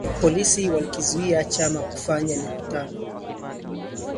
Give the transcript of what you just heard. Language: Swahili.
Polisi walikizuia chama kufanya mikutano